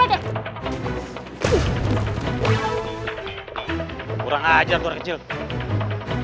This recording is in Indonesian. aduh menang sih jalan lihat lihat dong